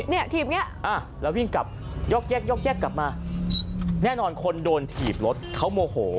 เนี่ยถีบเนี่ยอ่ะแล้ววิ่งกลับยอกแยกยอกแยกกลับมาแน่นอนคนโดนถีบรถเขาโมโห